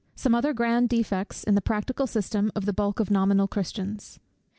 _Some other grand defects in the practical system of the Bulk of nominal Christians.